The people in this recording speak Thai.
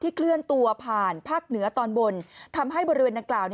เคลื่อนตัวผ่านภาคเหนือตอนบนทำให้บริเวณดังกล่าว